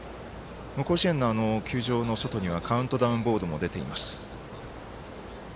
甲子園の球場の外には、カウントダウンボードも出ています。